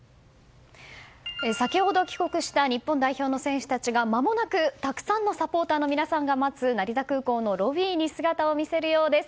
先ほど、帰国した日本代表の選手たちがまもなく、たくさんのサポーターの皆さんが待つ成田空港のロビーに姿を見せるようです。